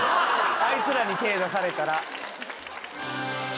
あいつらに手出されたら。